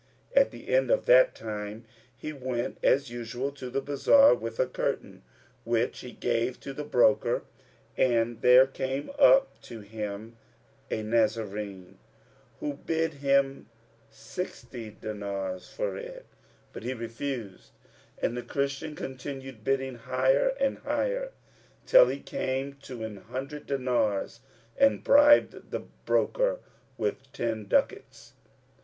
At the end of that time, he went as usual to the bazar with a curtain, which he gave to the broker; and there came up to him a Nazarene who bid him sixty dinars for it; but he refused, and the Christian continued bidding higher and higher, till he came to an hundred dinars and bribed the broker with ten ducats.